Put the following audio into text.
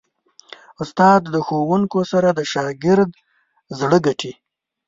استاد د ښوونو سره د شاګرد زړه ګټي.